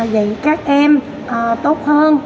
dạy các em tốt hơn